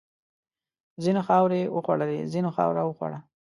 ځینو خاورې وخوړلې، ځینو خاوره وخوړه.